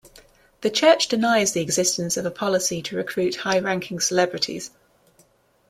The church denies the existence of a policy to recruit high-ranking celebrities.